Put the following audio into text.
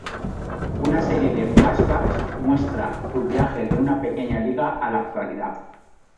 Una serie de flashbacks muestra su viaje de una pequeña liga a la actualidad.